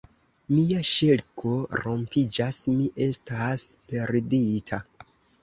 Mia ŝelko rompiĝas: mi estas perdita!